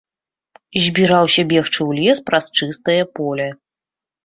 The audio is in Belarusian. Збіраўся бегчы ў лес праз чыстае поле.